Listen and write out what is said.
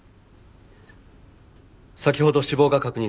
先ほど死亡が確認された。